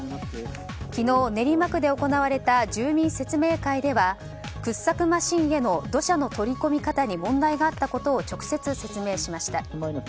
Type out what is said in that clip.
昨日、練馬区で行われた住民説明会では掘削マシンへの土砂の取り込み方に問題があったことを直接説明しました。